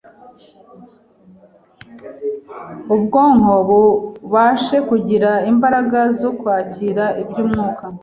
ubwonko bubashe kugira imbaraga zo kwakira iby’umwuka.